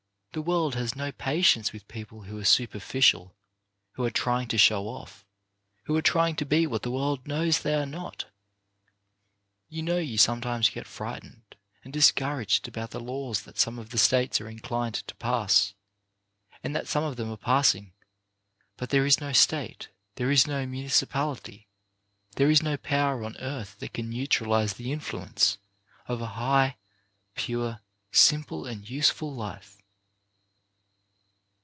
The world has no patience with people who are super ficial, who are trying to show off, who are trying to be what the world knows they are not. You know you sometimes get frightened and discouraged about the laws that some of the States are inclined to pass, and that some of them are passing, but there is no State, there is no municipality, there is no power on earth, that can neutralize the influence of a high, pure, simple and useful life.